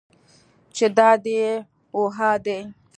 چې دا دي و ها دي.